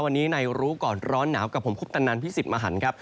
วันนี้ในรู้ก่อนร้อนหนาวกับผมคุปตนันพิสิทธิ์มหันครับ